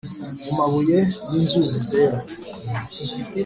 mu mabuye yinzuzi zera.